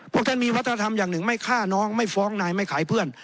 พวกท่านมีวัฒนธรรมอย่างหนึ่งไม่ฆ่าน้องไม่ฟ้องนายไม่ขายเพื่อน